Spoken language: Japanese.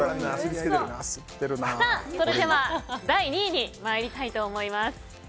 それでは第２位に参りたいと思います。